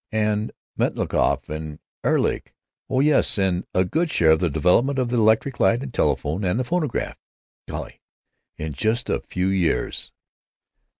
And Metchnikoff and Ehrlich. Oh yes, and a good share of the development of the electric light and telephone and the phonograph.... Golly! In just a few years!"